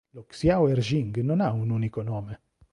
Lo Xiao'erjing non ha un unico nome.